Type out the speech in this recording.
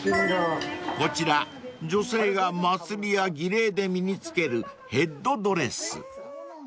［こちら女性が祭りや儀礼で身に着けるヘッドドレス］